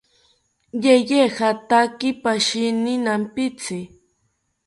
Yeye jataki pashini nampitzi